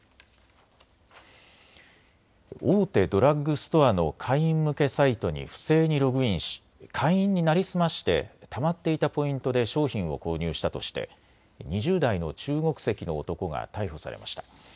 大手ドラッグストアの会員向けサイトに不正にログインし、会員に成り済ましてたまっていたポイントで商品を購入したとして２０代の中国籍の男が逮捕されました。